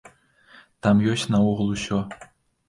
Там ёсць наогул усё.